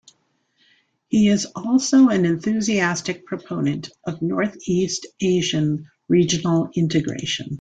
He is also an enthusiastic proponent of Northeast Asian regional integration.